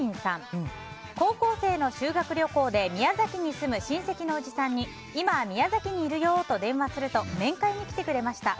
高校生の修学旅行で宮崎に住む親せきのおじさんに今、宮崎にいるよと電話すると面会に来てくれました。